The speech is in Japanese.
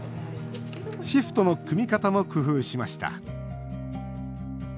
シフトの組み方も工夫しました。